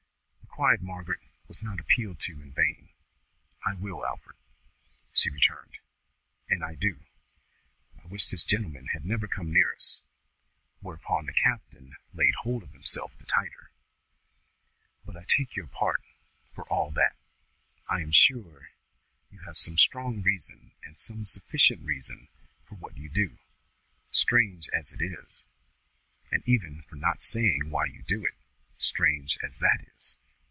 The quiet Margaret was not appealed to in vain. "I will, Alfred," she returned, "and I do. I wish this gentleman had never come near us;" whereupon the captain laid hold of himself the tighter; "but I take your part for all that. I am sure you have some strong reason and some sufficient reason for what you do, strange as it is, and even for not saying why you do it, strange as that is.